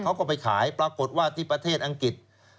เขาก็ไปขายปรากฏว่าที่ประเทศอังกฤษ